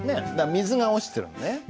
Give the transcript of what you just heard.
水が落ちてるのね。